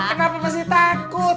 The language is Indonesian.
kenapa masih takut